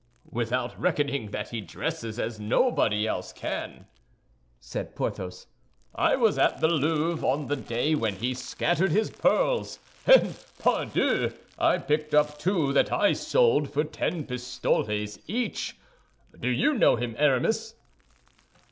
"Without reckoning that he dresses as nobody else can," said Porthos. "I was at the Louvre on the day when he scattered his pearls; and, pardieu, I picked up two that I sold for ten pistoles each. Do you know him, Aramis?"